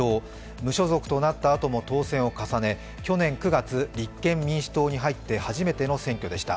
無所属となったあとも当選を重ね去年９月、立憲民主党に入って初めての選挙でした。